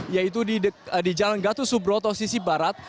yaitu di jalan gatusubro atau sisi barat